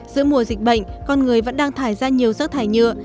giữa mùa dịch bệnh con người vẫn đang thải ra nhiều rác thải nhựa